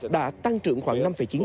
đã tăng trưởng khoảng năm chín